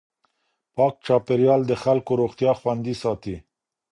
پاک چاپېریال د خلکو روغتیا خوندي ساتي.